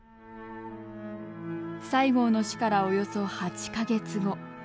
西郷の死からおよそ８か月後。